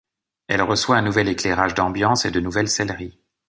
Elle reçoit un nouvel éclairage d’ambiance et de nouvelles selleries.